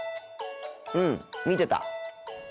うん見てた。